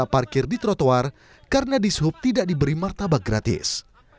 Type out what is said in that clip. parkir di trotoar karena di sub tidak diberi martabak gratis